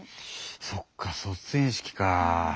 そっか卒園式かぁ。